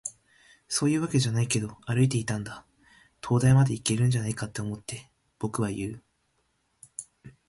「そういうわけじゃないけど、歩いていたんだ。灯台までいけるんじゃないかって思って。」、僕は言う。